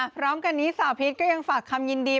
พร้อมกันนี้สาวพีชก็ยังฝากคำยินดี